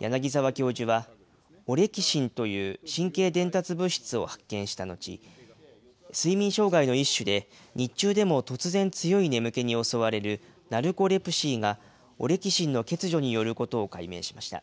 柳沢教授は、オレキシンという神経伝達物資を発見した後、睡眠障害の一種で、日中でも突然、強い眠気に襲われるナルコレプシーが、オレキシンの欠如によることを解明しました。